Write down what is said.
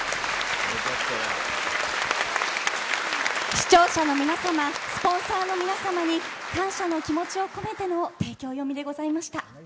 視聴者の皆さまスポンサーの皆さまに感謝の気持ちを込めての提供読みでございました。